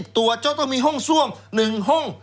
๒๐๓๐ตัวโจ๊กต้องมีห้องซ่วม๑ห้อง